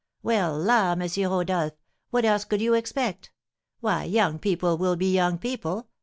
"Well, la, M. Rodolph! What else could you expect? Why, young people will be young people.